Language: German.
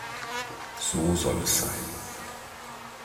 So soll es sein.